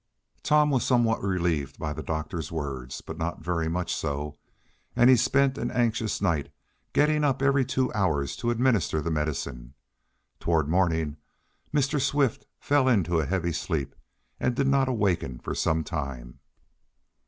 Tom was somewhat relieved by the doctor's words, but not very much so, and he spent an anxious night, getting up every two hours to administer the medicine. Toward morning Mr. Swift fell into a heavy sleep, and did not awaken for some time.